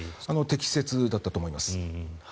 適切だったと思います。